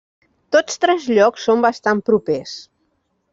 Tots tres llocs són bastant propers.